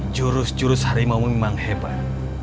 jurus jurus harimau memang hebat